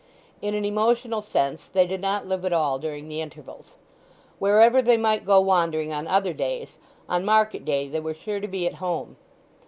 In an emotional sense they did not live at all during the intervals. Wherever they might go wandering on other days, on market day they were sure to be at home.